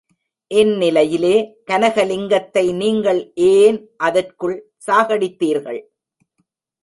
இந்நிலையிலே கனகலிங்கத்தை நீங்கள் ஏன் அதற்குள் சாகடித்தீர்கள்?